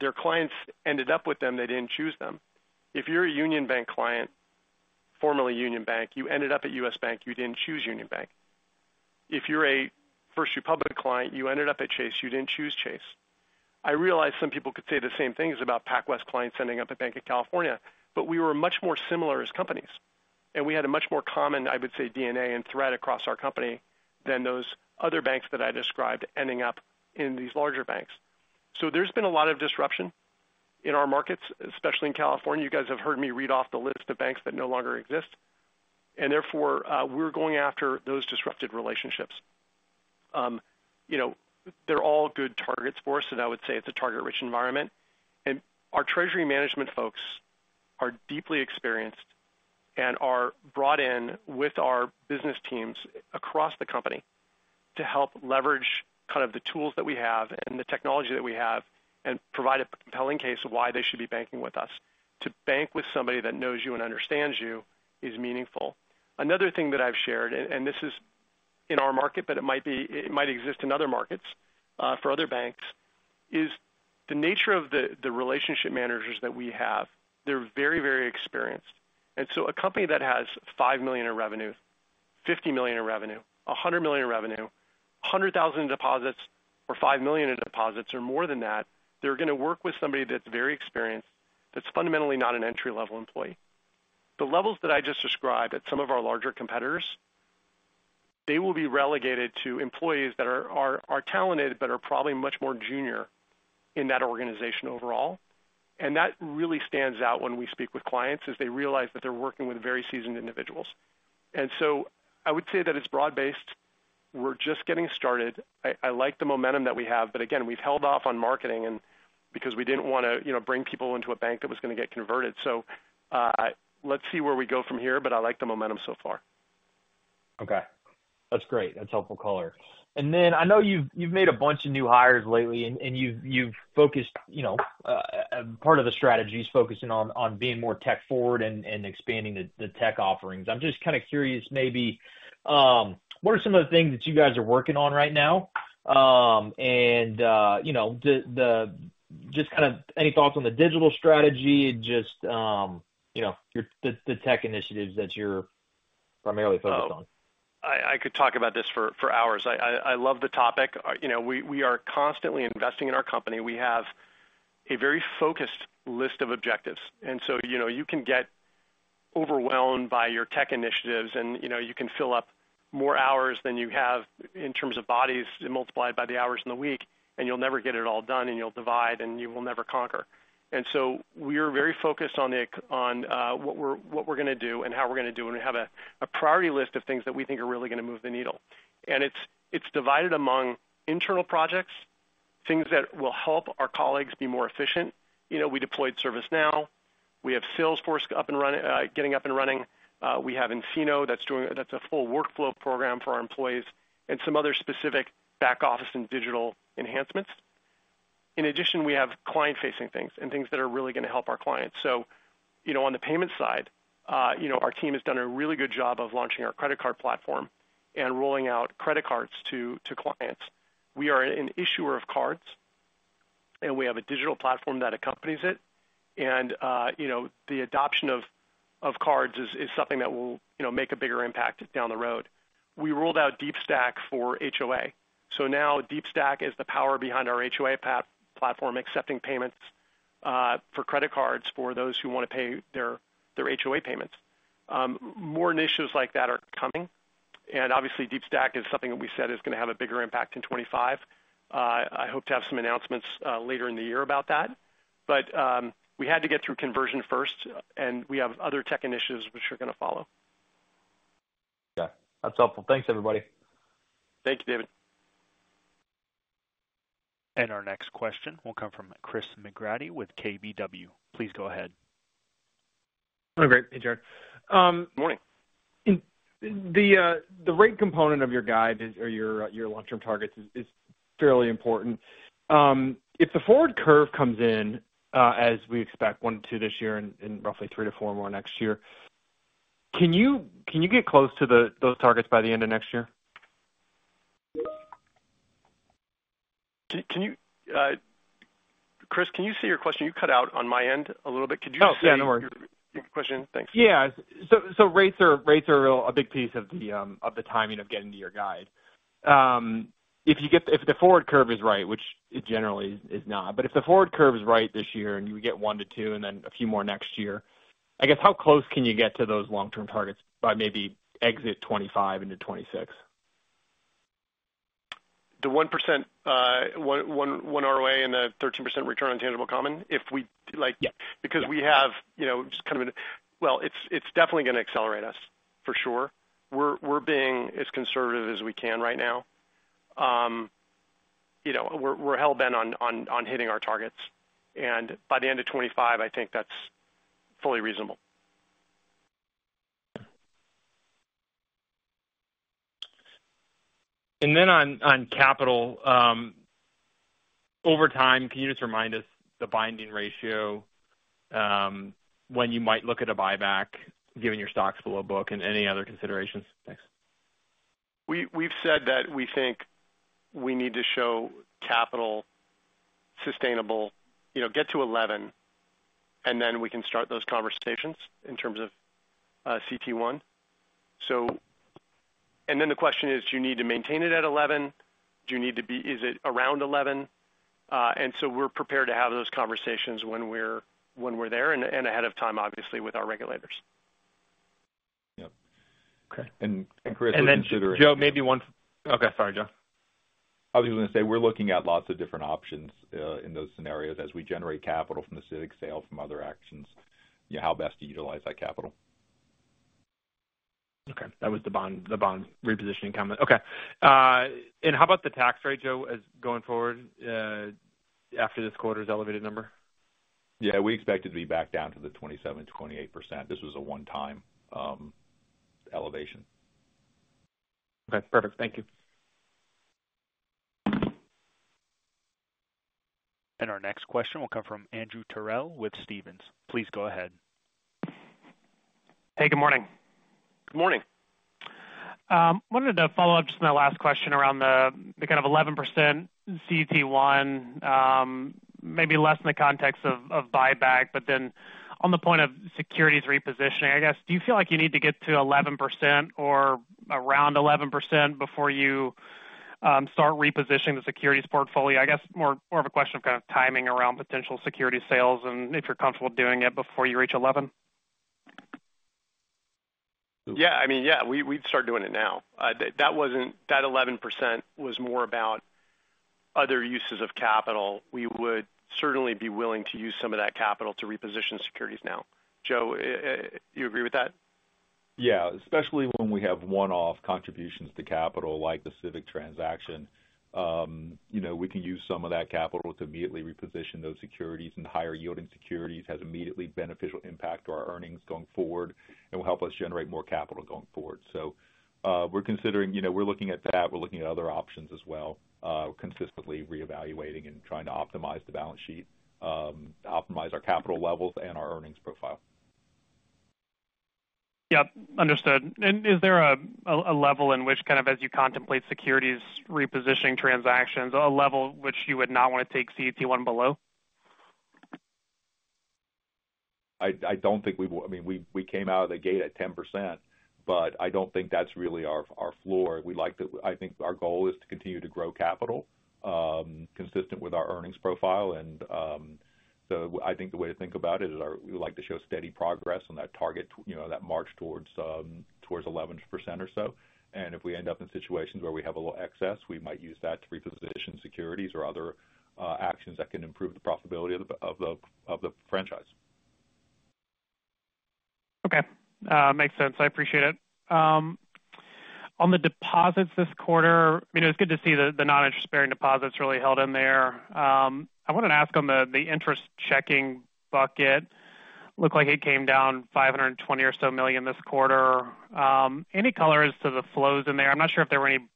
their clients ended up with them. They didn't choose them. If you're a Union Bank client, formerly Union Bank, you ended up at U.S. Bank, you didn't choose Union Bank. If you're a First Republic client, you ended up at Chase, you didn't choose Chase. I realize some people could say the same things about PacWest clients ending up at Banc of California, but we were much more similar as companies, and we had a much more common, I would say, DNA and thread across our company than those other banks that I described ending up in these larger banks. So there's been a lot of disruption in our markets, especially in California. You guys have heard me read off the list of banks that no longer exist, and therefore, we're going after those disrupted relationships. You know, they're all good targets for us, and I would say it's a target-rich environment. Our treasury management folks are deeply experienced and are brought in with our business teams across the company to help leverage kind of the tools that we have and the technology that we have and provide a compelling case of why they should be banking with us. To bank with somebody that knows you and understands you is meaningful. Another thing that I've shared, and this is in our market, but it might exist in other markets for other banks, is the nature of the relationship managers that we have. They're very, very experienced. So a company that has $5 million in revenue, $50 million in revenue, $100 million in revenue, $100,000 in deposits or $5 million in deposits or more than that, they're gonna work with somebody that's very experienced, that's fundamentally not an entry-level employee. The levels that I just described at some of our larger competitors, they will be relegated to employees that are talented, but are probably much more junior in that organization overall. And that really stands out when we speak with clients as they realize that they're working with very seasoned individuals. And so I would say that it's broad-based. We're just getting started. I like the momentum that we have, but again, we've held off on marketing and because we didn't wanna, you know, bring people into a bank that was gonna get converted. Let's see where we go from here, but I like the momentum so far. Okay. That's great. That's helpful color. And then I know you've, you've made a bunch of new hires lately, and, and you've, you've focused, you know, part of the strategy is focusing on, on being more tech forward and, and expanding the, the tech offerings. I'm just kind of curious, maybe, what are some of the things that you guys are working on right now? And, you know, the, the—just kind of any thoughts on the digital strategy and just, you know, your—the, the tech initiatives that you're primarily focused on. I could talk about this for hours. I love the topic. You know, we are constantly investing in our company. We have a very focused list of objectives, and so, you know, you can get overwhelmed by your tech initiatives and, you know, you can fill up more hours than you have in terms of bodies multiplied by the hours in the week, and you'll never get it all done, and you'll divide, and you will never conquer. And so we are very focused on what we're gonna do and how we're gonna do it. And we have a priority list of things that we think are really gonna move the needle. And it's divided among internal projects, things that will help our colleagues be more efficient. You know, we deployed ServiceNow. We have Salesforce up and running, getting up and running. We have nCino, that's a full workflow program for our employees and some other specific back office and digital enhancements. In addition, we have client-facing things and things that are really gonna help our clients. So, you know, on the payment side, you know, our team has done a really good job of launching our credit card platform and rolling out credit cards to clients. We are an issuer of cards, and we have a digital platform that accompanies it. And, you know, the adoption of cards is something that will, you know, make a bigger impact down the road. We rolled out Deepstack for HOA. So now Deepstack is the power behind our HOA platform, accepting payments for credit cards for those who want to pay their HOA payments. More initiatives like that are coming, and obviously, Deepstack is something that we said is gonna have a bigger impact in 2025. I hope to have some announcements later in the year about that, but we had to get through conversion first, and we have other tech initiatives which are gonna follow. Yeah, that's helpful. Thanks, everybody. Thank you, David. Our next question will come from Chris McGratty with KBW. Please go ahead. Oh, great. Hey, Jared. Morning. In the rate component of your guide is, or your long-term targets, is fairly important. If the forward curve comes in as we expect, 1-2 this year and roughly 3-4 more next year, can you get close to those targets by the end of next year? Can you, Chris, can you say your question? You cut out on my end a little bit. Could you just say- Oh, yeah, no worries. Your question? Thanks. Yeah. So rates are a big piece of the timing of getting to your guide. If the forward curve is right, which it generally is not, but if the forward curve is right this year, and you get 1-2 and then a few more next year, I guess, how close can you get to those long-term targets by maybe exit 2025 into 2026? The 1% ROA and the 13% return on tangible common, if we like- Yeah. Because we have, you know, just kind of an—well, it's definitely going to accelerate us, for sure. We're being as conservative as we can right now. You know, we're hell-bent on hitting our targets, and by the end of 2025, I think that's fully reasonable. On capital, over time, can you just remind us the binding ratio, when you might look at a buyback, given your stocks below book and any other considerations? Thanks. We've said that we think we need to show capital sustainable, you know, get to 11, and then we can start those conversations in terms of CET1. So, and then the question is: Do you need to maintain it at 11? Do you need to be—is it around 11? And so we're prepared to have those conversations when we're there and ahead of time, obviously, with our regulators. Yep. Okay. Chris, we're considering- Joe, maybe one... Okay, sorry, Joe. I was going to say, we're looking at lots of different options, in those scenarios as we generate capital from the Civic sale, from other actions, you know, how best to utilize that capital. Okay, that was the bond, the bond repositioning comment. Okay, and how about the tax rate, Joe, as going forward, after this quarter's elevated number? Yeah, we expect it to be back down to the 27%-28%. This was a one-time elevation. Okay, perfect. Thank you. Our next question will come from Andrew Terrell with Stephens. Please go ahead. Hey, good morning. Good morning. Wanted to follow up just on the last question around the, the kind of 11% CET1, maybe less in the context of, of buyback, but then on the point of securities repositioning, I guess. Do you feel like you need to get to 11% or around 11% before you, start repositioning the securities portfolio? I guess more, more of a question of kind of timing around potential security sales and if you're comfortable doing it before you reach 11. Yeah, I mean, yeah, we, we've started doing it now. That wasn't that 11% was more about other uses of capital. We would certainly be willing to use some of that capital to reposition securities now. Joe, you agree with that? Yeah, especially when we have one-off contributions to capital, like the Civic transaction. You know, we can use some of that capital to immediately reposition those securities, and higher yielding securities has immediately beneficial impact to our earnings going forward and will help us generate more capital going forward. So, we're considering, you know, we're looking at that. We're looking at other options as well, consistently reevaluating and trying to optimize the balance sheet, optimize our capital levels and our earnings profile. Yep, understood. Is there a level in which kind of, as you contemplate securities repositioning transactions, a level which you would not want to take CET1 below? I don't think we will. I mean, we came out of the gate at 10%, but I don't think that's really our floor. We like to—I think our goal is to continue to grow capital, consistent with our earnings profile. And so I think the way to think about it is we like to show steady progress on that target, you know, that march towards 11% or so. And if we end up in situations where we have a little excess, we might use that to reposition securities or other actions that can improve the profitability of the franchise. Okay, makes sense. I appreciate it. On the deposits this quarter, you know, it's good to see the non-interest bearing deposits really held in there. I wanted to ask on the interest checking bucket. Looked like it came down $520 million or so this quarter. Any color as to the flows in there? I'm not sure if there were any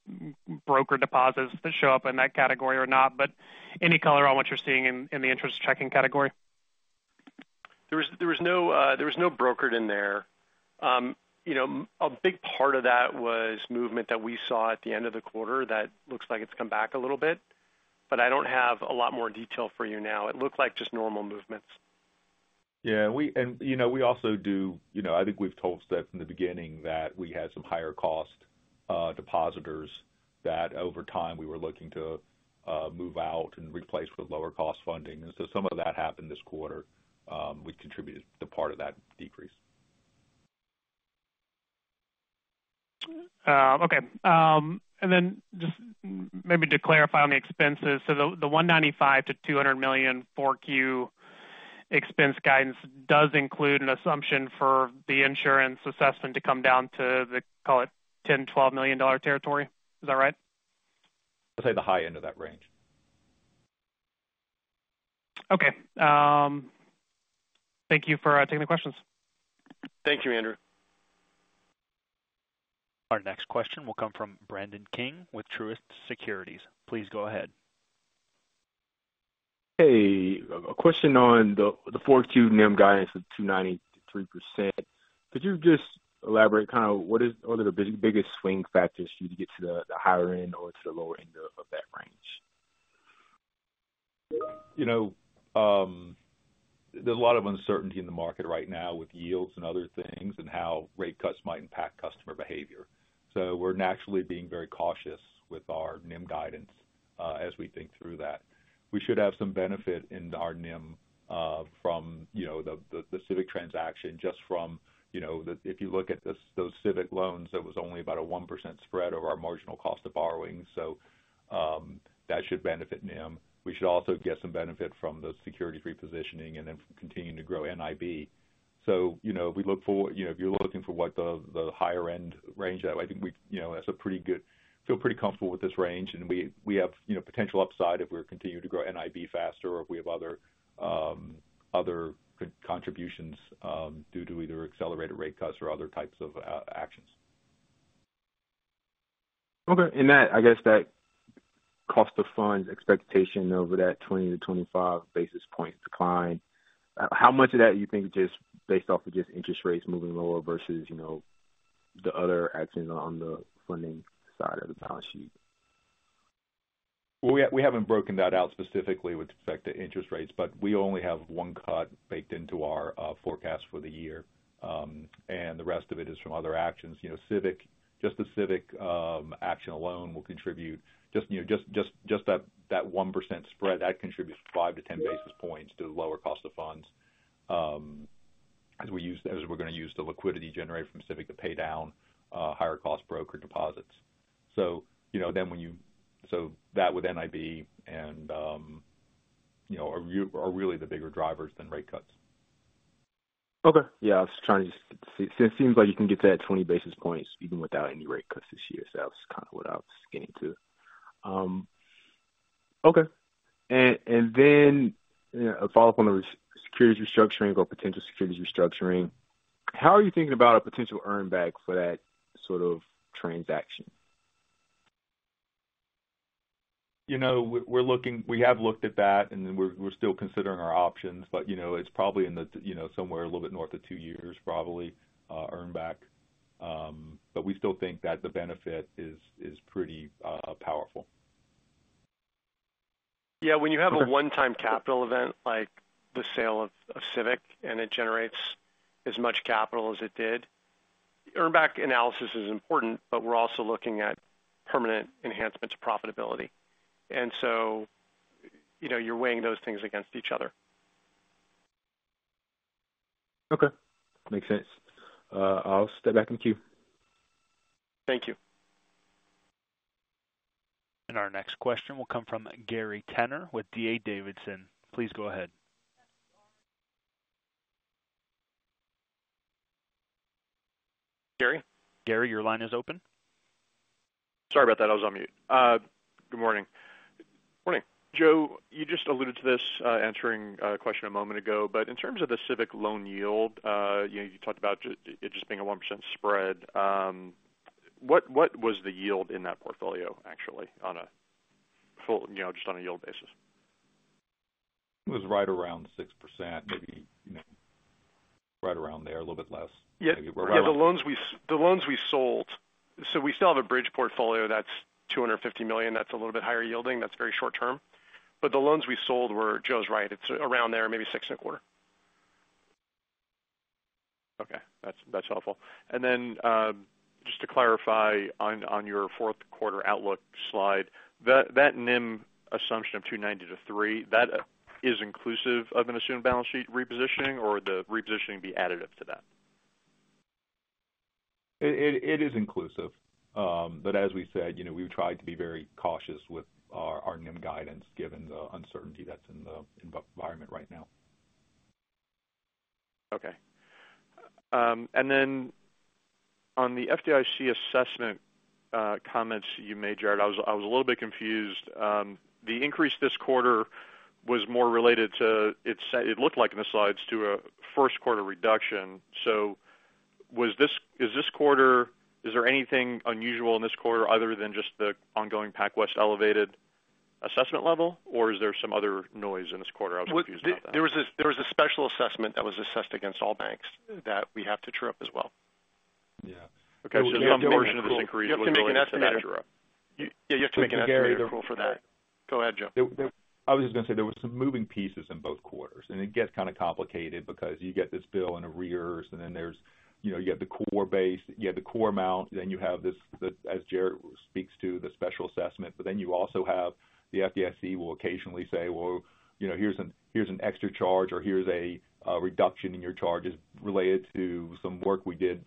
brokered deposits that show up in that category or not, but any color on what you're seeing in the interest checking category? There was no broker in there. You know, a big part of that was movement that we saw at the end of the quarter that looks like it's come back a little bit, but I don't have a lot more detail for you now. It looked like just normal movements. Yeah, and you know, we also do. You know, I think we've told that from the beginning that we had some higher cost depositors that over time we were looking to move out and replace with lower cost funding. And so some of that happened this quarter, which contributed to part of that decrease. Okay. And then just maybe to clarify on the expenses. So the $195 million-$200 million 4Q expense guidance does include an assumption for the insurance assessment to come down to the, call it, $10-$12 million territory. Is that right? I'd say the high end of that range. Okay, thank you for taking the questions. Thank you, Andrew. Our next question will come from Brandon King with Truist Securities. Please go ahead. Hey, a question on the 4Q NIM guidance of 2.93%. Could you just elaborate kind of what are the biggest swing factors for you to get to the higher end or to the lower end of that range? You know, there's a lot of uncertainty in the market right now with yields and other things and how rate cuts might impact customer behavior. So we're naturally being very cautious with our NIM guidance as we think through that. We should have some benefit in our NIM from, you know, the Civic transaction, just from, you know, the, if you look at those Civic loans, there was only about a 1% spread over our marginal cost of borrowing. So, that should benefit NIM. We should also get some benefit from the securities repositioning and then continuing to grow NIB. So, you know, we look for, you know, if you're looking for what the higher-end range, I think we, you know, that's a pretty good feel. We feel pretty comfortable with this range, and we have, you know, potential upside if we're continuing to grow NIB faster or if we have other, other contributions due to either accelerated rate cuts or other types of actions. Okay. And that, I guess that cost of funds expectation over that 20-25 basis point decline, how much of that you think just based off of just interest rates moving lower versus, you know, the other actions on the funding side of the balance sheet? Well, we haven't broken that out specifically with respect to interest rates, but we only have one cut baked into our forecast for the year. And the rest of it is from other actions. You know, Civic, just the Civic action alone will contribute... Just, you know, that 1% spread, that contributes five to 10 basis points to the lower cost of funds, as we're going to use the liquidity generated from Civic to pay down higher-cost brokered deposits. So, you know, so that with NIB and, you know, are really the bigger drivers than rate cuts. Okay. Yeah, I was trying to see, it seems like you can get to that 20 basis points even without any rate cuts this year. So that was kind of what I was getting to. Okay. And then, a follow-up on the securities restructuring or potential securities restructuring. How are you thinking about a potential earn back for that sort of transaction? You know, we're looking—we have looked at that, and then we're still considering our options. But, you know, it's probably in the, you know, somewhere a little bit north of two years, probably, earn back. But we still think that the benefit is pretty powerful. Yeah, when you have a one-time capital event like the sale of, of Civic, and it generates as much capital as it did, earn back analysis is important, but we're also looking at permanent enhancements to profitability. And so, you know, you're weighing those things against each other. Okay, makes sense. I'll step back in queue. Thank you. Our next question will come from Gary Tenner with D.A. Davidson. Please go ahead. Gary? Gary, your line is open. Sorry about that. I was on mute. Good morning. Morning, Joe, you just alluded to this, answering a question a moment ago, but in terms of the Civic loan yield, you know, you talked about it just being a 1% spread. What, what was the yield in that portfolio, actually, on a full, you know, just on a yield basis? It was right around 6%, maybe, you know, right around there, a little bit less. Yeah, the loans we sold. So we still have a bridge portfolio that's $250 million. That's a little bit higher yielding. That's very short term. But the loans we sold were, Joe's right, it's around there, maybe 6.25. Okay. That's, that's helpful. And then, just to clarify on, on your fourth quarter outlook slide, that, that NIM assumption of 2.90%-3%, that is inclusive of an assumed balance sheet repositioning or the repositioning be additive to that? It is inclusive. But as we said, you know, we've tried to be very cautious with our NIM guidance, given the uncertainty that's in the environment right now. Okay. And then on the FDIC assessment, comments you made, Jared, I was, I was a little bit confused. The increase this quarter was more related to - it looked like in the slides to a first quarter reduction. So, is this quarter, is there anything unusual in this quarter other than just the ongoing PacWest elevated assessment level, or is there some other noise in this quarter? I was confused about that. There was a special assessment that was assessed against all banks that we have to true up as well. Yeah. Okay. Some portion of this increase- You have to make an estimator. Yeah, you have to make an estimator tool for that. Go ahead, Joe. I was just going to say there were some moving pieces in both quarters, and it gets kind of complicated because you get this bill in arrears, and then there's, you know, you got the core base, you have the core amount, then you have this, as Jared speaks to, the special assessment. But then you also have the FDIC will occasionally say, "Well, you know, here's an extra charge, or here's a reduction in your charges related to some work we did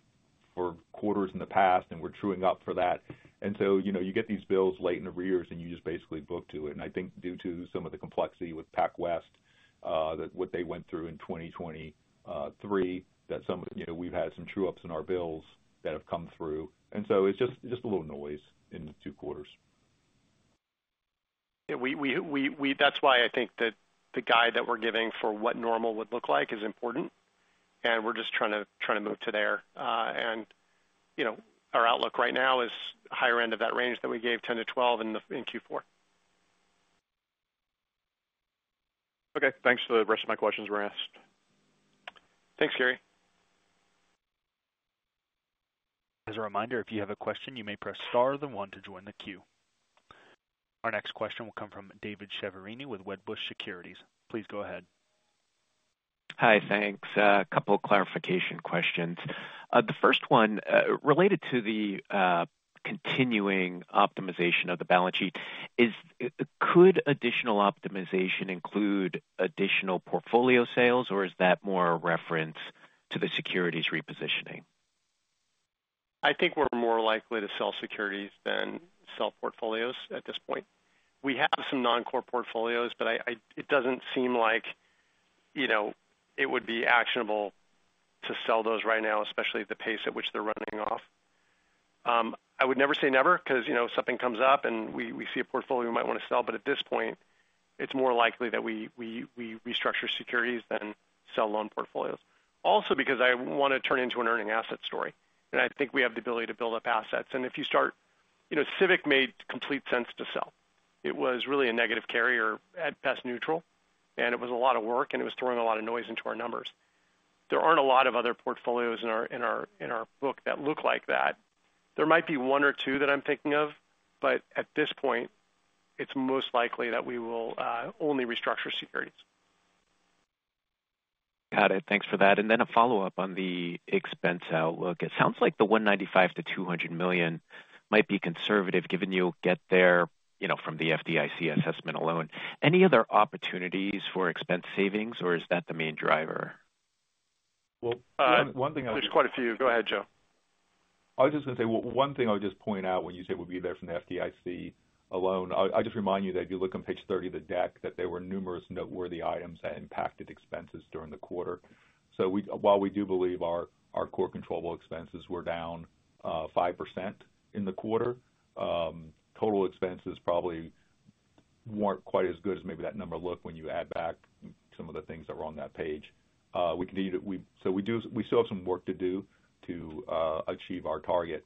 for quarters in the past, and we're truing up for that." And so, you know, you get these bills in arrears, and you just basically book to it. And I think due to some of the complexity with PacWest that what they went through in 2023, you know, we've had some true ups in our bills that have come through. And so it's just a little noise in the two quarters. Yeah, that's why I think that the guide that we're giving for what normal would look like is important, and we're just trying to move to there. And, you know, our outlook right now is higher end of that range that we gave 10-12 in Q4. Okay, thanks. The rest of my questions were asked. Thanks, Gary. As a reminder, if you have a question, you may press Star then one to join the queue. Our next question will come from David Chiaverini with Wedbush Securities. Please go ahead. Hi, thanks. A couple of clarification questions. The first one, related to the continuing optimization of the balance sheet. Could additional optimization include additional portfolio sales, or is that more a reference to the securities repositioning? I think we're more likely to sell securities than sell portfolios at this point. We have some non-core portfolios, but I—it doesn't seem like, you know, it would be actionable to sell those right now, especially at the pace at which they're running off. I would never say never, 'cause, you know, something comes up, and we see a portfolio we might want to sell, but at this point, it's more likely that we restructure securities than sell loan portfolios. Also, because I want to turn into an earning asset story, and I think we have the ability to build up assets. And if you start... You know, Civic made complete sense to sell. It was really a negative carrier at best neutral, and it was a lot of work, and it was throwing a lot of noise into our numbers. There aren't a lot of other portfolios in our book that look like that. There might be one or two that I'm thinking of, but at this point, it's most likely that we will only restructure securities. Got it. Thanks for that. And then a follow-up on the expense outlook. It sounds like the $195 million-$200 million might be conservative, given you'll get there, you know, from the FDIC assessment alone. Any other opportunities for expense savings, or is that the main driver? Well, one thing I- There's quite a few. Go ahead, Joe. I was just going to say, one thing I would just point out when you say we'll be there from the FDIC alone. I just remind you that if you look on page 30 of the deck, that there were numerous noteworthy items that impacted expenses during the quarter. So while we do believe our core controllable expenses were down 5% in the quarter, total expenses probably weren't quite as good as maybe that number looked when you add back some of the things that were on that page. So we still have some work to do to achieve our target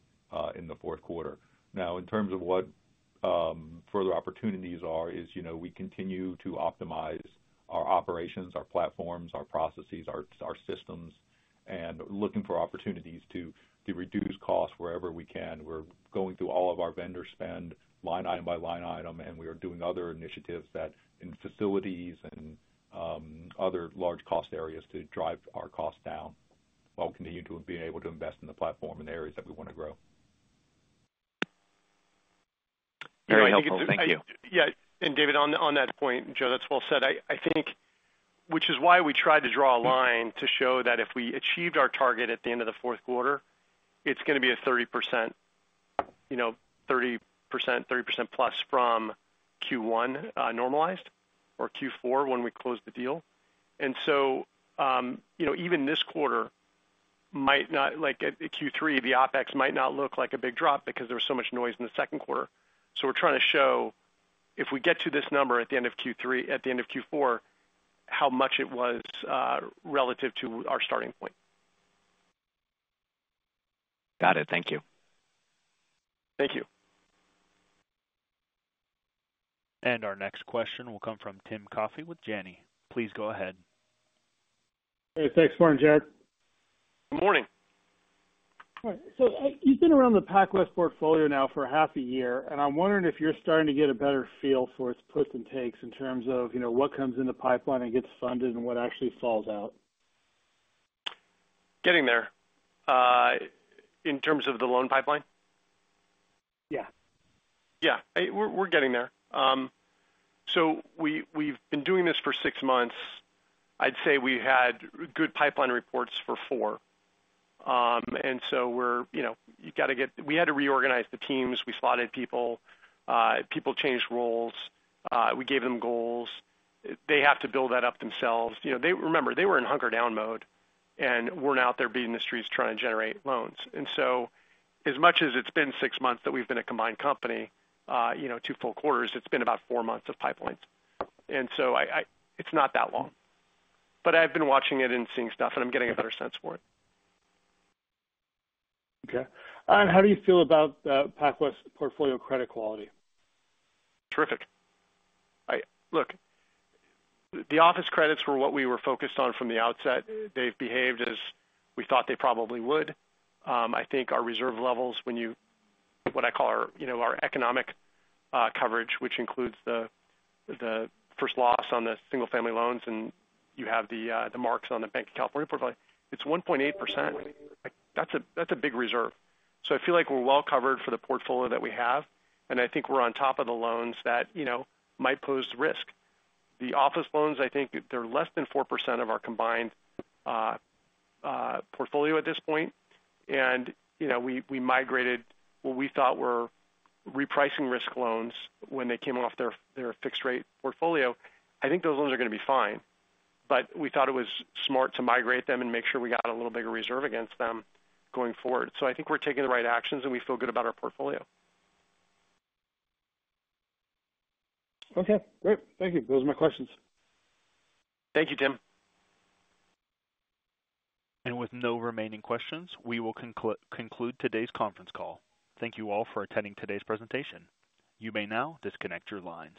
in the fourth quarter. Now, in terms of what further opportunities are, you know, we continue to optimize our operations, our platforms, our processes, our systems, and looking for opportunities to reduce costs wherever we can. We're going through all of our vendor spend, line item by line item, and we are doing other initiatives that in facilities and other large cost areas to drive our costs down, while we continue to be able to invest in the platform in the areas that we want to grow. Very helpful. Thank you. Yeah, and David, on that point, Joe, that's well said. I think, which is why we tried to draw a line to show that if we achieved our target at the end of the fourth quarter, it's gonna be a 30%, you know, 30%, 30% plus from Q1, normalized, or Q4 when we closed the deal. And so, you know, even this quarter might not, like Q3, the OpEx might not look like a big drop because there was so much noise in the second quarter. So we're trying to show if we get to this number at the end of Q3, at the end of Q4, how much it was, relative to our starting point. Got it. Thank you. Thank you. Our next question will come from Tim Coffey with Janney. Please go ahead. Hey, thanks. Morning, Jared. Good morning. All right. So... You've been around the PacWest portfolio now for half a year, and I'm wondering if you're starting to get a better feel for its puts and takes in terms of, you know, what comes in the pipeline and gets funded and what actually falls out. Getting there. In terms of the loan pipeline? Yeah. Yeah, we're getting there. So we've been doing this for 6 months. I'd say we had good pipeline reports for 4. And so we're, you know, you gotta get-- we had to reorganize the teams. We slotted people. People changed roles. We gave them goals. They have to build that up themselves. You know, they-- remember, they were in hunker down mode and weren't out there beating the streets trying to generate loans. And so, as much as it's been 6 months that we've been a combined company, you know, 2 full quarters, it's been about 4 months of pipelines. And so I, it's not that long, but I've been watching it and seeing stuff, and I'm getting a better sense for it. Okay. And how do you feel about PacWest portfolio credit quality? Terrific. Look, the office credits were what we were focused on from the outset. They've behaved as we thought they probably would. I think our reserve levels, when you, what I call our, you know, our economic coverage, which includes the first loss on the single-family loans, and you have the marks on the Banc of California portfolio, it's 1.8%. That's a big reserve. So I feel like we're well covered for the portfolio that we have, and I think we're on top of the loans that, you know, might pose risk. The office loans, I think they're less than 4% of our combined portfolio at this point. You know, we migrated what we thought were repricing risk loans when they came off their fixed rate portfolio. I think those loans are gonna be fine, but we thought it was smart to migrate them and make sure we got a little bigger reserve against them going forward. So I think we're taking the right actions, and we feel good about our portfolio. Okay, great. Thank you. Those are my questions. Thank you, Tim. With no remaining questions, we will conclude today's conference call. Thank you all for attending today's presentation. You may now disconnect your line.